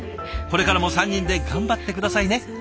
これからも３人で頑張って下さいね。